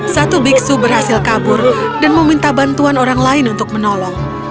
satu biksu berhasil kabur dan meminta bantuan orang lain untuk menolong